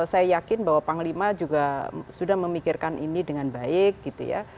saya yakin bahwa panglima juga sudah memikirkan ini dengan baik gitu ya